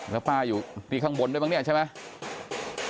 แล้วป้าอยู่ที่ข้างบนด้วยบ้างใช่ไหม